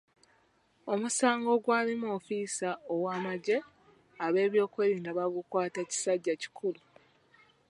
Omusango ogwalimu ofiisa ow'amagye ab'ebyokwerinda baagukwata kisajja kikulu.